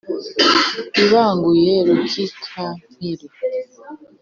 ibanguye rukikampiri